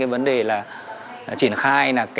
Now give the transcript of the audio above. vấn đề là triển khai